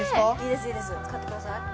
使ってください